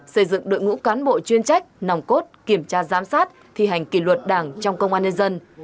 xây dựng đội ngũ cán bộ chuyên trách nòng cốt kiểm tra giám sát thi hành kỷ luật đảng trong công an nhân dân